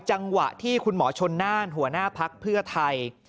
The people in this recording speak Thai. จังหวะที่คุณหมอชนน่านหัวหน้าพักเพื่อไทย